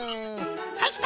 はいきた！